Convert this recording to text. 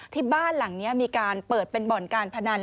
ที่บ้านหลังนี้มีการเปิดเป็นบ่อนการพนัน